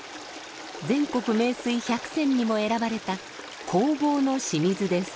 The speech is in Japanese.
全国名水百選にも選ばれた弘法の清水です。